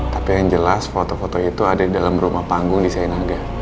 tapi yang jelas foto foto itu ada di dalam rumah panggung desain aga